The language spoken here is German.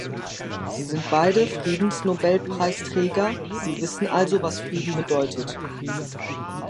Sie sind beide Friedensnobelpreisträger, sie wissen also, was Frieden bedeutet.